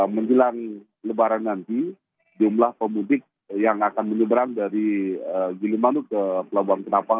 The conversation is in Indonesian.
menjelang lebaran nanti jumlah pembudik yang akan menyeberang dari gili manuk ke pelabuhan kenapa